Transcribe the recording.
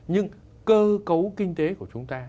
những cơ cấu kinh tế của chúng ta